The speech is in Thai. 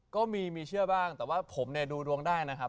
ก็มีมีเชื่อบ้างแต่ว่าผมเนี่ยดูดวงได้นะครับ